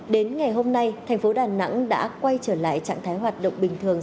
đến ngày hôm nay thành phố đà nẵng đã quay trở lại trạng thái hoạt động bình thường